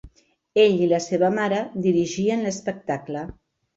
Ell i la seva mare dirigien l'espectacle.